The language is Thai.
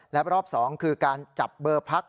และรอบ๒คือการจับเบอร์พัก